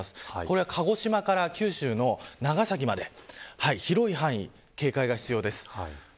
鹿児島から九州の長崎まで広い範囲で警戒が必要です。